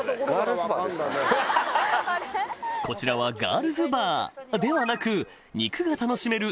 こちらはガールズバーではなく肉が楽しめる